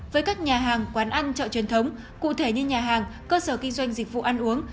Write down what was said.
với các nhà hàng quán ăn chợ truyền thống cụ thể như nhà hàng cơ sở kinh doanh dịch vụ ăn uống